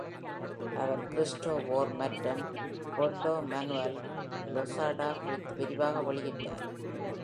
அவர் Cristero War மற்றும் caudillo Manuel Lozada குறித்து விரிவாக வெளியிட்டுள்ளார்.